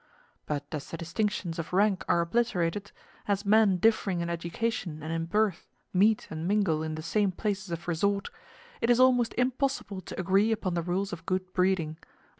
But as the distinctions of rank are obliterated, as men differing in education and in birth meet and mingle in the same places of resort, it is almost impossible to agree upon the rules of good breeding.